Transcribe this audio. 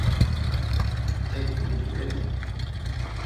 Ek mutu reni?